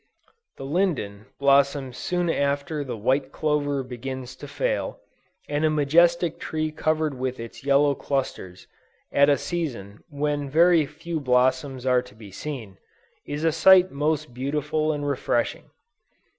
The Linden blossoms soon after the white clover begins to fail, and a majestic tree covered with its yellow clusters, at a season when very few blossoms are to be seen, is a sight most beautiful and refreshing.